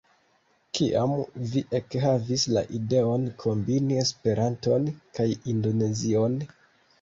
Kiam vi ekhavis la ideon kombini Esperanton kaj Indonezion?